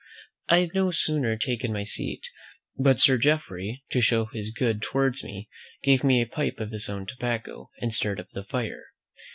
I had no sooner taken my seat, but Sir Jeoffery, to show his good will towards me, gave me a pipe of his own tobacco, and stirred up the fire.